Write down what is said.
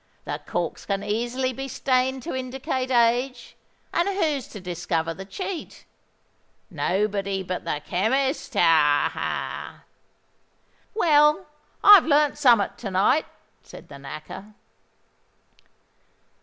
The corks can easily be stained to indicate age—and who's to discover the cheat? Nobody but the chemist—ha! ha!" "Well, I've learnt someot to night," said the Knacker.